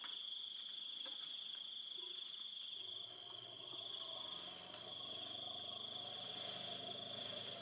เพราะงาน